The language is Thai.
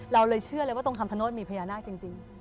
เราเลยเชื่อเลยว่าตรงคำชโนธมีพญานาคจริง